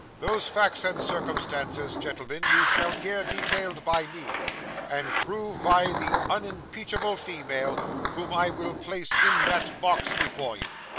Those facts and circumstances, gentlemen, you shall hear detailed by me, and proved by the unimpeachable female whom I will place in that box before you.